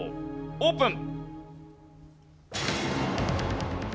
オープン！